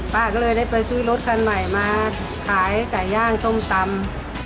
ป้าก็เลยได้ไปซื้อรถคันใหม่มาขายไก่ย่างส้มตำ